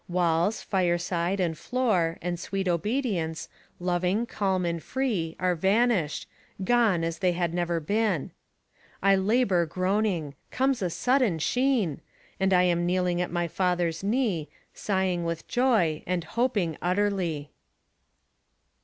Walls, fireside, and floor, And sweet obedience, loving, calm, and free, Are vanished gone as they had never been. I labour groaning. Comes a sudden sheen! And I am kneeling at my Father's knee, Sighing with joy, and hoping utterly.